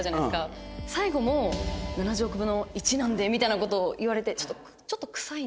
最後も「７０億分の１なんで」みたいな事を言われて。